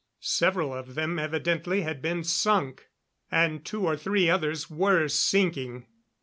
Several of them evidently had been sunk, and two or three others were sinking.